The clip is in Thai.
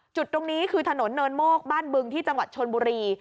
จุดตรงนี้คือถนนเนินโมกบ้านบึงที่จังหวัดชนบุรี